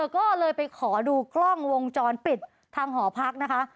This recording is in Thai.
ก็เลยไปขอดูกล้องวงจรปิดทางหอพักนะคะ